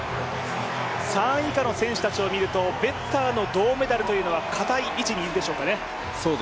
３位以下の選手たちをみると、ベッターの銅メダルはかたい位置にいるでしょうか。